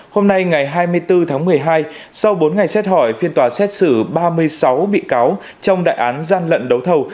hôm nay ngày hai mươi bốn tháng một mươi hai sau bốn ngày xét hỏi phiên tòa xét xử ba mươi sáu bị cáo trong đại án gian lận đấu thầu